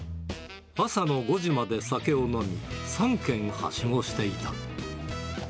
朝の５時まで酒を飲み、３軒はしごしていた。